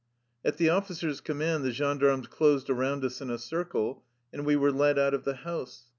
At the officer's command the gendarmes closed around us in a circle and we were led out of the house.